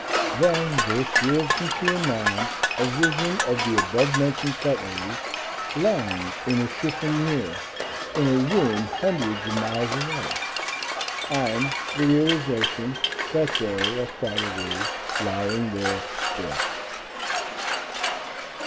Then there steals into your mind a vision of the above mentioned cutlery lying on a chiffonier in a room hundreds of miles away and the realization that they are probably lying there still.